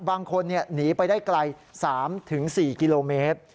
บางคนหนีไปได้ไกล๓๔กิโลเมตร